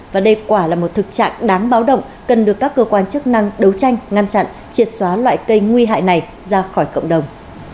và đây quả là một thực trạng đáng báo động cần được các cơ quan chức năng đấu tranh ngăn chặn triệt xóa loại cây nguy hại này ra khỏi cộng đồng